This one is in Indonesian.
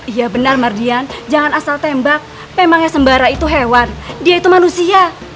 iya benar mardian jangan asal tembak memangnya sembara itu hewan dia itu manusia